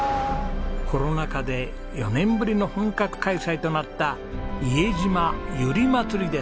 コロナ禍で４年ぶりの本格開催となった伊江島ゆり祭りです。